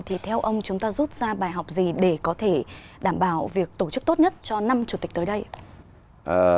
thì theo ông chúng ta rút ra bài học gì để có thể đảm bảo việc tổ chức tốt nhất cho năm chủ tịch tới đây ạ